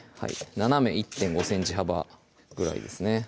斜め１．５ｃｍ幅ぐらいですね